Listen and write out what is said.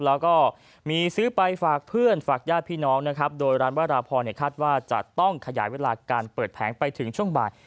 แล้วก็มีซื้อไปฝากเพื่อนฝากญาติพี่น้องนะครับโดยร้านวราพรคาดว่าจะต้องขยายเวลาการเปิดแผงไปถึงช่วงบ่าย